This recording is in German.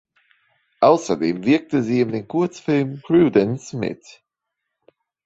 Außerdem wirkte sie in dem Kurzfilm "Prudence" mit.